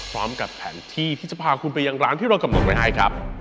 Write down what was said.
พร้อมกับแผนที่ที่จะพาคุณไปยังร้านที่เรากำหนดไว้ให้ครับ